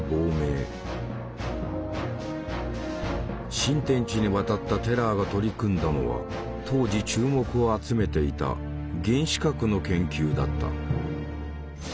新天地に渡ったテラーが取り組んだのは当時注目を集めていた「原子核」の研究だった。